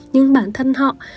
nhưng bản thân họ